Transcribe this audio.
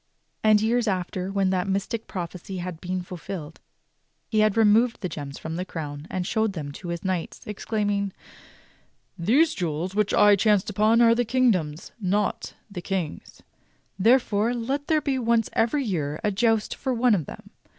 And years after, when that mystic prophecy had been fulfilled, he had removed the gems from the crown and showed them to his knights, exclaiming: "These jewels which I chanced upon are the kingdom's, not the King's. Therefore, let there be once every year a joust for one of them.